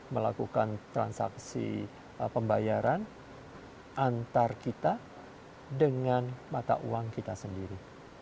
melakukan transaksi pembayaran antar kita dengan mata uang kita sendiri